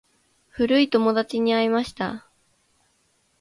古い友達に会いました。